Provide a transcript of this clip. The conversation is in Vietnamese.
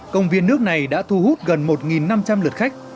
công viên nước này đã thu hút gần một năm trăm linh lượt khách